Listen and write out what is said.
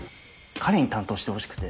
彼に担当してほしくて。